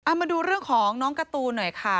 มาดูเรื่องของน้องการ์ตูนหน่อยค่ะ